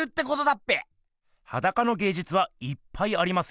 っぺ⁉はだかのげいじゅつはいっぱいありますよね。